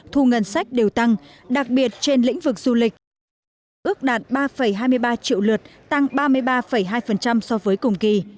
thu ngân sách đều tăng đặc biệt trên lĩnh vực du lịch ước đạt ba hai mươi ba triệu lượt tăng ba mươi ba hai so với cùng kỳ